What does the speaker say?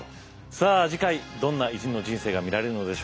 さあ次回どんな偉人の人生が見られるのでしょうか。